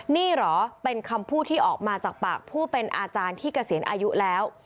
นี่เหรอเป็นคำพูดที่ออกมาจากปากผู้เป็นอาจารย์ที่เกษียณอายุแล้ว